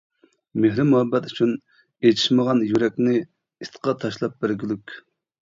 مېھر مۇھەببەت ئۈچۈن ئېچىشمىغان يۈرەكنى ئىتقا تاشلاپ بەرگۈلۈك!